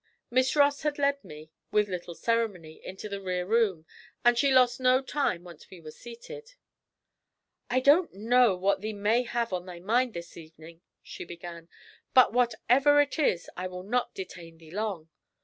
Miss Ross had led me, with little ceremony, into the rear room, and she lost no time, once we were seated. 'I don't know what thee may have on thy mind this evening,' she began, 'but whatever it is, I will not detain thee long.